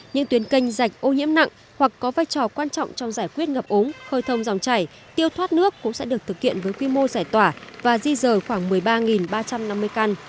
những tuyến canh rạch ô nhiễm nặng hoặc có vai trò quan trọng trong giải quyết ngập ống khơi thông dòng chảy tiêu thoát nước cũng sẽ được thực hiện với quy mô giải tỏa và di rời khoảng một mươi ba ba trăm năm mươi căn